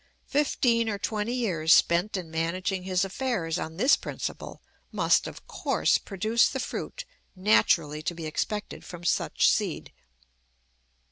Fifteen or twenty years spent in managing his affairs on this principle must, of course, produce the fruit naturally to be expected from such seed.